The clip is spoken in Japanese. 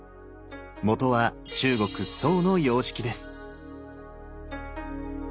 元は中国・宋の様式です。